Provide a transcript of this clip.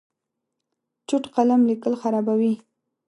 چوټ قلم لیکل خرابوي.